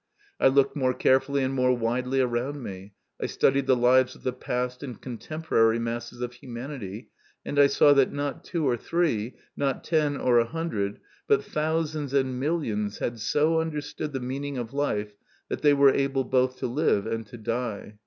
I looked more carefully and more widely around me, I studied the lives of the past and contemporary masses of humanity, and I saw that, not two or three, not ten or a hundred, but thousands and millions had so understood the meaning of life that they were able both to live and to die.